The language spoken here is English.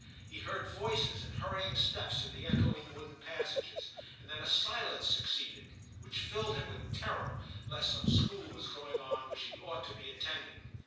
He heard voices and hurrying steps in the echo ing wooden passages, and then a silence succeeded, which filled him with terror lest some school was going on which he ought to be attending.